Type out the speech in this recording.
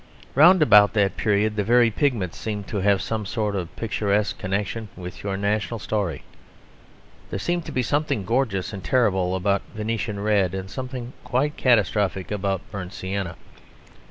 Round about that period, the very pigments seemed to have some sort of picturesque connection with your national story. There seemed to be something gorgeous and terrible about Venetian Red; and something quite catastrophic about Burnt Sienna.